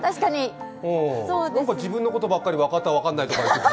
自分のことばっかり、分かった分かんない、言っててさ。